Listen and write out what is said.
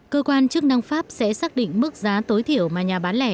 cơ quan chức năng pháp sẽ xác định mức giá tối thiểu mà nhà bán lẻ